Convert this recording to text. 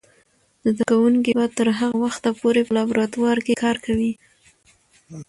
زده کوونکې به تر هغه وخته پورې په لابراتوار کې کار کوي.